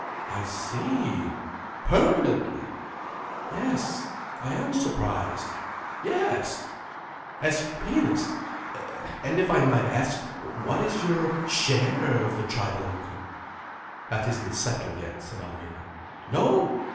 I see! Permanently! Yes, I am surprised! Yes! As pianist? And if I might ask, what is your share of the tribal income?" "That isn't settled yet," said Alvina. "No!